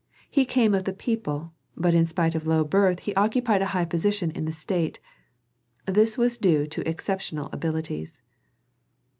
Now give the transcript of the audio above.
He came of the people, but in spite of low birth he occupied a high position in the state; this was due to exceptional abilities.